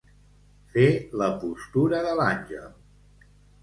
Fer la postura de l'àngel.